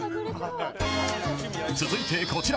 続いてこちら。